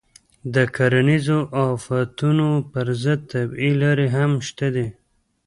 د کرنیزو آفتونو پر ضد طبیعي لارې هم شته دي.